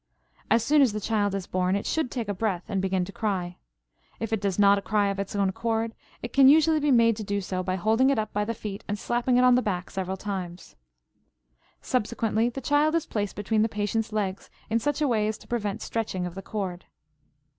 As soon as the child is born, it should take a breath and begin to cry. If it does not cry of its own accord, it can usually be made to do so by holding it up by the feet and slapping it on the back several times. Subsequently the child is placed between the patient's legs in such a way as to prevent stretching of the cord.